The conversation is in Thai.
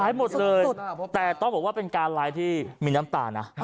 หมดเลยแต่ต้องบอกว่าเป็นการไลฟ์ที่มีน้ำตานะ